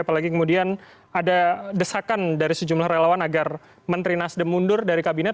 apalagi kemudian ada desakan dari sejumlah relawan agar menteri nasdem mundur dari kabinet